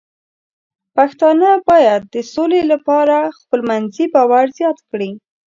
پښتانه بايد د سولې لپاره خپلمنځي باور زیات کړي.